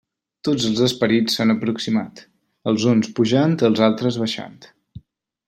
Tots els esperits s'han aproximat; els uns pujant, els altres baixant.